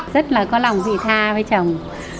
rất là có lòng vị tha với chồng